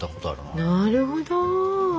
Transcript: なるほど。